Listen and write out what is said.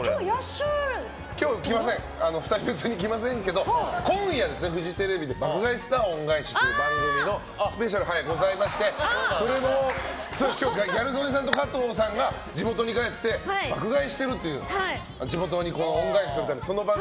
今日、来ませんけど今夜、フジテレビで「爆買い☆スター恩返し」という番組のスペシャルがございまして今日はギャル曽根さんと加藤さんが地元に帰って爆買いしているという、地元に恩返しする番組。